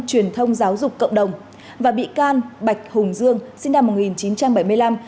truyền thông giáo dục cộng đồng và bị can bạch hùng dương sinh năm một nghìn chín trăm bảy mươi năm